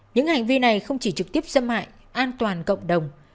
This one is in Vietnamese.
những hành vi này không chỉ trực tiếp xâm hại an toàn cộng đồng